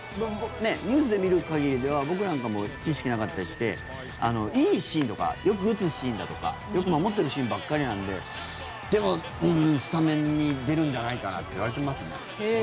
ニュースで見る限りでは僕なんかも知識なかったりしていいシーンとかよく打つシーンだとかよく守ってるシーンばかりなのででも、スタメンに出るんじゃないかなっていわれてますね。